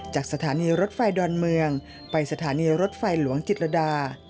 จากสถานีรถไฟดอนเมืองไปสถานีรถไฟหลวงจิตรดา